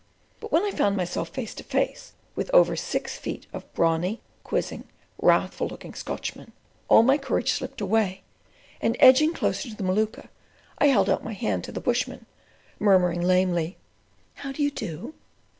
But when I found myself face to face with over six feet of brawny quizzing, wrathful looking Scotchman, all my courage slipped away, and edging closer to the Maluka, I held out my hand to the bushman, murmuring lamely: "How do you do?"